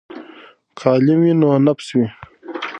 که علم وي نو نفس وي.